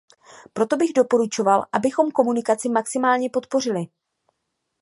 Proto bych doporučoval, abychom komunikaci maximálně podpořili.